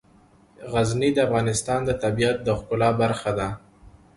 غزني د افغانستان د طبیعت د ښکلا برخه ده.